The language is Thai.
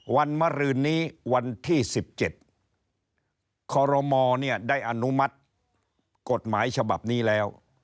วันมรืนนี้วันที่๑๗คอโรมอล์เนี่ยได้อนุมัติกฎหมายฉบับนี้แล้ว